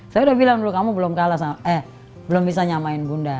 saya udah bilang dulu kamu belum kalah eh belum bisa nyamain bunda